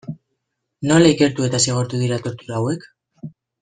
Nola ikertu eta zigortu dira tortura hauek?